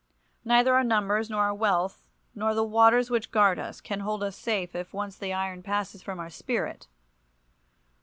Neither our numbers, nor our wealth, nor the waters which guard us can hold us safe if once the old iron passes from our spirit.